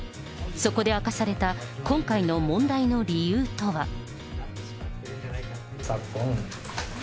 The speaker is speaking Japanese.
そこで明かされた今回の問題の理由とは。